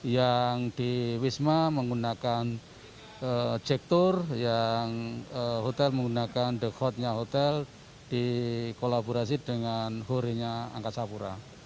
yang di wisma menggunakan jektur yang hotel menggunakan the hotnya hotel dikolaborasi dengan horinya angkasa pura